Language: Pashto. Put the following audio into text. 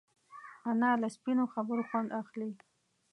انا له سپینو خبرو خوند اخلي